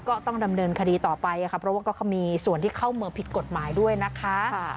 ก็ต้องดำเนินคดีต่อไปค่ะเพราะว่าเขามีส่วนที่เข้าเมืองผิดกฎหมายด้วยนะคะ